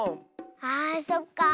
あそっかあ。